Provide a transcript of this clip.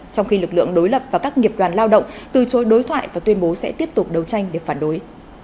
trong khi lực lượng đối lập và các nghiệp đoàn lao động từ chối đối thoại và tuyên bố sẽ tiếp tục đấu tranh để phản đối